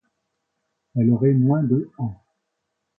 Elle aurait moins de ans.